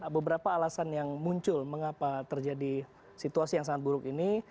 beberapa alasan yang muncul mengapa terjadi situasi yang sangat buruk ini